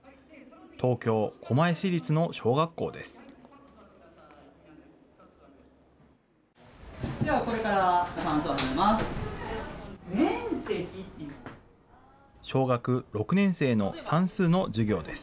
東京・狛江市立の小学校です。